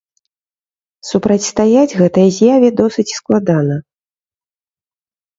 Супрацьстаяць гэтай з'яве досыць складана.